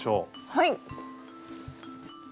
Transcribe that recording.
はい！